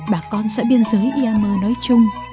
bà con xã biên giới yammer nói chung